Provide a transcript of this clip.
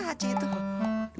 nah h c itu